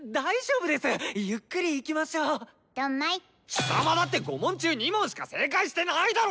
貴様だって５問中２問しか正解してないだろ！